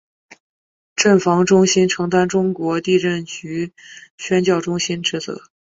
震防中心承担中国地震局宣教中心职责。